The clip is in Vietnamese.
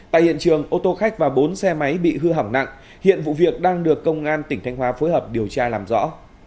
tại hiện trường ô tô khách và bốn xe máy bị hư hỏng nặng hiện vụ việc đang được công an tỉnh thanh hóa phối hợp điều tra làm rõ